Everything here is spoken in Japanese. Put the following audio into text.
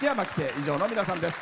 以上の皆さんです。